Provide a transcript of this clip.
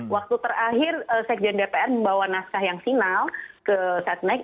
waktu terakhir sekjen dpr membawa naskah yang final ke setnek